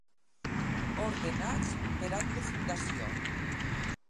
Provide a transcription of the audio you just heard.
Ordenats per any de fundació.